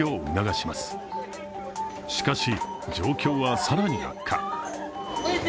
しかし、状況は更に悪化。